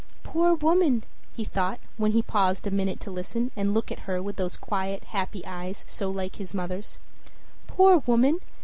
"Poor woman!" he thought, when he paused a minute to listen and look at her with those quiet, happy eyes, so like his mother's. "Poor woman!